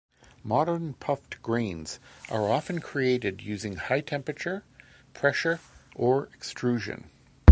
Modern puffed grains are often created using high temperature, pressure, or extrusion.